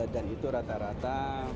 dan itu rata rata